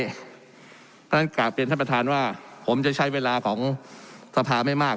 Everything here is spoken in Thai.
เพราะฉะนั้นกลับเรียนท่านประธานว่าผมจะใช้เวลาของสภาไม่มาก